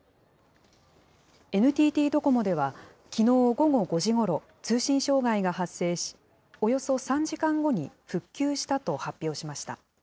ＮＴＴドコモでは、きのう午後５時ごろ、通信障害が発生し、およそ３時間後に復旧したと発表しました。